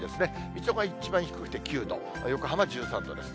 水戸が一番低くて９度、横浜１３度です。